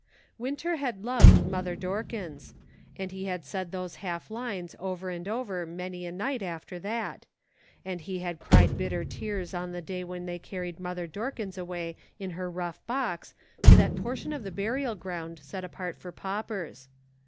Winter had loved Mother Dorkins ; and he had said those half lines over and over many a night after that ; and he had cried bitter tears on the day when they carried Mother Dorkins away in her rough box to that portion of the burial ground set apart for paupers.